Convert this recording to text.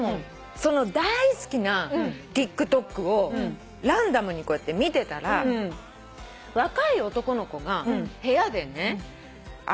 その大好きなＴｉｋＴｏｋをランダムにこうやって見てたら若い男の子が部屋でね